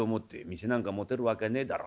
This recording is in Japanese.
「店なんか持てる訳ねえだろ。